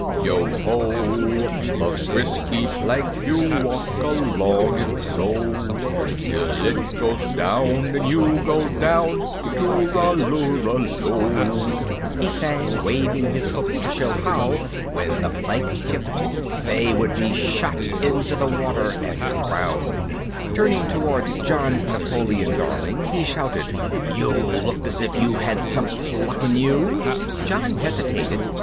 yo ho! the fris ky plank, you walk a long it so Till it goes down and you goes down to too ral loo ral lo he sang, waving his hook to show how, when the plank tipped, they would be shot into the water and drowned. [Illustration: THE PIRATE SHIP] Turning towards John Napoleon Darling he shouted: "You look as if you had some pluck in you!" John hesitated.